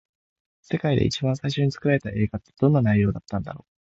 世界で一番最初に作られた映画って、どんな内容だったんだろう。